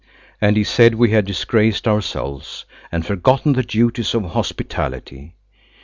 And he said we had disgraced ourselves and forgotten the duties of hospitality.